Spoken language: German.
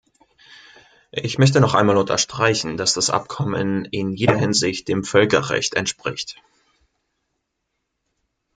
Ich möchte noch einmal unterstreichen, dass das Abkommen in jeder Hinsicht dem Völkerrecht entspricht.